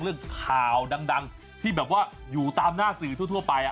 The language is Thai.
ซึ่งแบบว่าอยู่ตามหน้าสื่อดั่วไปอะ